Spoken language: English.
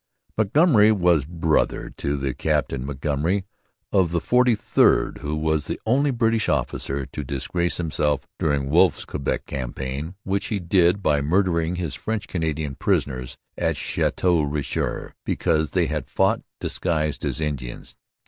Montgomery was brother to the Captain Montgomery of the 43rd who was the only British officer to disgrace himself during Wolfe's Quebec campaign, which he did by murdering his French Canadian prisoners at Chateau Richer because they had fought disguised as Indians.